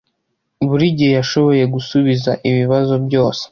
Buri gihe yashoboye gusubiza ibibazo byose.